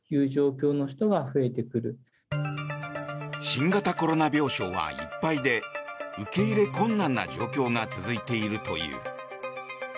新型コロナ病床はいっぱいで受け入れ困難な状況が続いているという。